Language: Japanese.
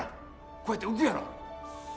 こうやって浮くやろ？